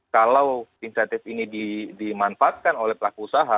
kalau insentif ini dimanfaatkan oleh pelaku usaha